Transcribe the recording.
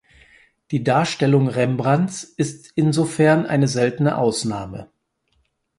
Die Darstellung Rembrandts ist insofern eine seltene Ausnahme.